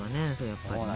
やっぱりね。